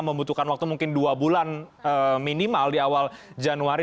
membutuhkan waktu mungkin dua bulan minimal di awal januari